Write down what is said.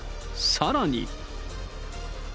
さらに。